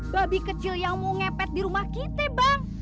babi kecil yang mau ngepet dirumah kita bang